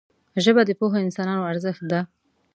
ژبه د پوهو انسانانو ارزښت ده